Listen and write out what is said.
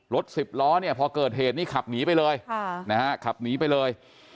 สิบล้อเนี่ยพอเกิดเหตุนี่ขับหนีไปเลยขับหนีไปเลย